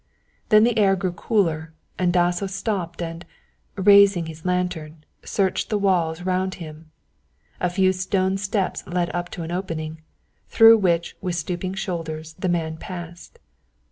Then the air grew cooler, and Dasso stopped and, raising his lantern, searched the walls round him. A few stone steps led up to an opening, through which with stooping shoulders the man passed.